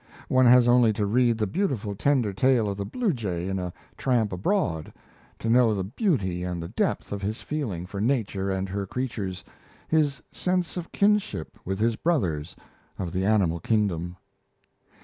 One has only to read the beautiful, tender tale of the blue jay in 'A Tramp Abroad' to know the beauty and the depth of his feeling for nature and her creatures, his sense of kinship with his brothers of the animal kingdom.